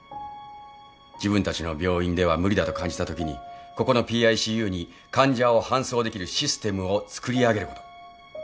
自分たちの病院では無理だと感じたときにここのＰＩＣＵに患者を搬送できるシステムを作り上げること。